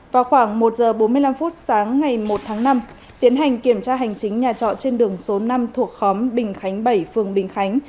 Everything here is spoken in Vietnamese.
vào khoảng một h bốn mươi năm sáng ngày một tháng năm tiến hành kiểm tra hành chính nhà trọ trên đường số năm thuộc khóm bình khánh bảy phường bình khánh